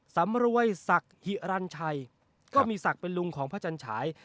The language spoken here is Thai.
สำรวยศักดิ์หิรัญชัยก็มีศักดิ์เป็นลุงของพระจันฉาย